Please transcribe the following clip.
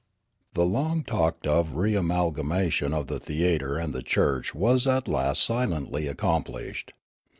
The long talked of reamalgamation of the theatre and the church was at last silently accomplished.